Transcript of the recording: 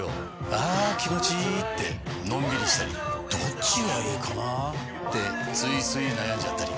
あ気持ちいいってのんびりしたりどっちがいいかなってついつい悩んじゃったり。